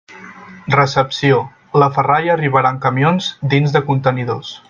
Recepció: la ferralla arribarà en camions, dins de contenidors.